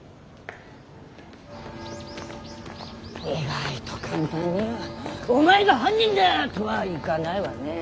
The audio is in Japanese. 意外と簡単には「お前が犯人だ！」とはいかないわね。